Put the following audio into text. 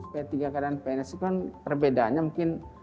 p tiga k dan pns itu kan perbedaannya mungkin